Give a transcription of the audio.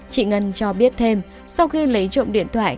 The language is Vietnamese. chị ngân cho biết thêm sau khi lấy trộm điện thoại